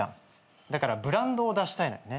だからブランドを出したいのよ。